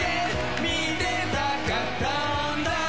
見てたかったんだ